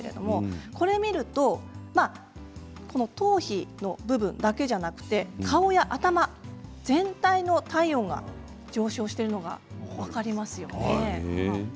これを見ると頭皮の部分だけじゃなくて顔や頭全体の体温が上昇しているのが分かりますよね。